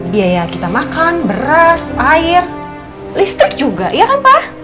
biaya kita makan beras air listrik juga iya kan pak